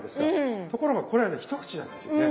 ところがこれはね一口なんですよね。